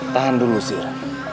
tahan dulu sir